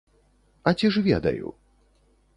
А ці ж ведаю?